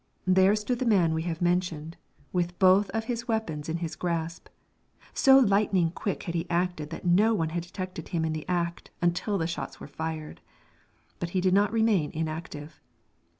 There stood the man we have mentioned, with both of his weapons in his grasp. So lightning quick had he acted that no one had detected him in the act until the shots were fired. But he did not remain inactive.